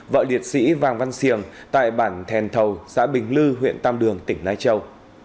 vợ liệt sĩ vàng văn siềng tại bản thèn thầu xã bình lư huyện tam đường tỉnh lai châu